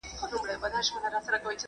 غریبان باید خپل حق وغواړي.